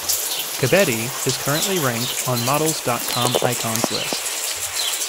Kebede is currently ranked on models dot com icons list.